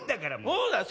そうだよ。